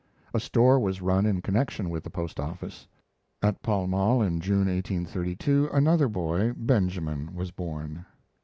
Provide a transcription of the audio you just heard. A store was run in connection with the postoffice. At Pall Mall, in June, 1832, another boy, Benjamin, was born.